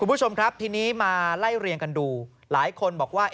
คุณผู้ชมครับทีนี้มาไล่เรียงกันดูหลายคนบอกว่า